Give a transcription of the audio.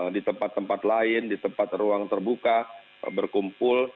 di tempat tempat lain di tempat ruang terbuka berkumpul